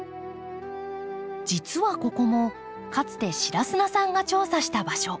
実はここもかつて白砂さんが調査した場所。